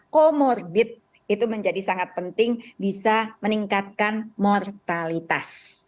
comorbid itu menjadi sangat penting bisa meningkatkan mortalitas